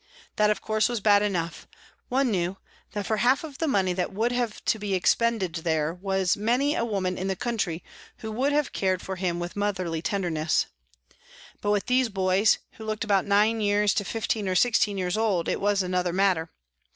That, of course, was bad enough ; one knew that for half of the money that would have to be expended there was many a woman in the country who would have cared for him with motherly tenderness. But with these boys, who looked about nine years to fifteen or sixteen years old, it was another matter.